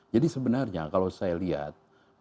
jadi sebenarnya kalau saya lihat